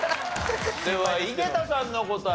では井桁さんの答え。